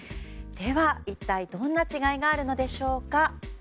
では、一体どんな違いがあるのでしょうか。